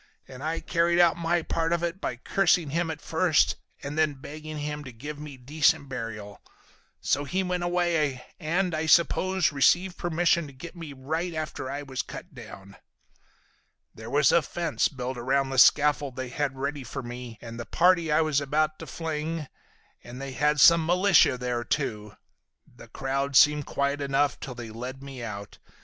And I carried out my part of it by cursing him at first and then begging him to give me decent burial. So he went away, and, I suppose, received permission to get me right after I was cut down. "There was a fence built around the scaffold they had ready for me and the party I was about to fling, and they had some militia there, too. The crowd seemed quiet enough till they led me out.